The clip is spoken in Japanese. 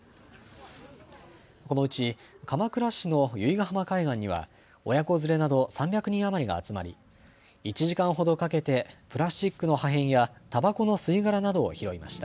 このうち鎌倉市の由比ヶ浜海岸には親子連れなど３００人余りが集まり１時間ほどかけてプラスチックの破片やたばこの吸い殻などを拾いました。